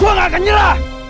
gue gak akan nyerah